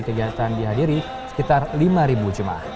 kegiatan dihadiri sekitar lima ribu jumlah